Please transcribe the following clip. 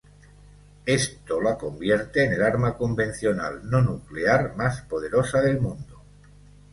Esto la convierte en el arma convencional no nuclear más poderosa del mundo.